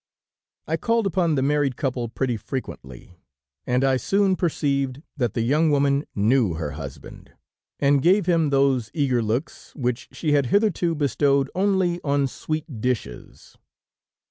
"I called upon the married couple pretty frequently, and I soon perceived that the young woman knew her husband, and gave him those eager looks which she had hitherto bestowed only on sweet dishes.